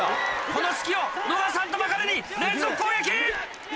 この隙を逃さんとばかりに連続攻撃！